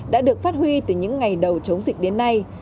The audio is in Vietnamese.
đã được phát huy từ những ngày đầu chống dịch đến nay